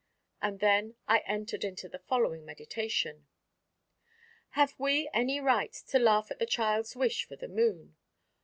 And then I entered into the following meditation: Have we any right to laugh at the child's wish for the Moon?